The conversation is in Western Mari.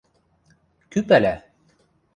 Кӱ пӓла?